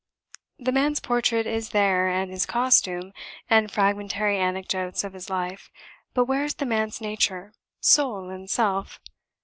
The man's portrait is there, and his costume, and fragmentary anecdotes of his life; but where is the man's nature soul and self?